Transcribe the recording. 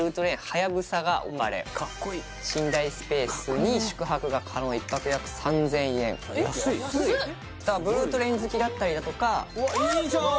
はやぶさが置かれ寝台スペースに宿泊が可能１泊約３０００円安いだからブルートレイン好きだったりだとかうわっいいじゃん！